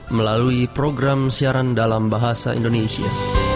melalui program siaran dalam bahasa indonesia